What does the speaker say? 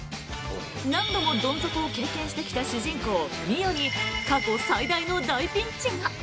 何度もどん底を経験してきた主人公・澪に過去最大の大ピンチが！